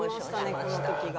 この時は。